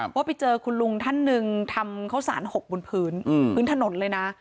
ว่าไปเจอคุณลุงท่านหนึ่งทำข้าวสารหกบนพื้นพื้นถนนเลยนะ